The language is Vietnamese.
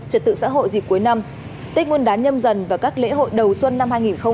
trật tự xã hội dịp cuối năm tết nguyên đán nhâm dần và các lễ hội đầu xuân năm hai nghìn hai mươi bốn